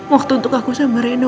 waktu untuk aku sama reno